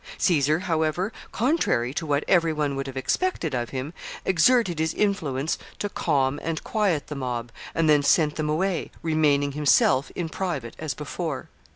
Caesar, however, contrary to what every one would have expected of him, exerted his influence to calm and quiet the mob, and then sent them away, remaining himself in private as before.